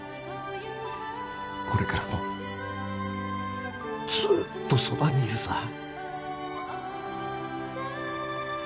これからもずっとそばにいるさ。